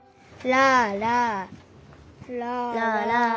「らららら」。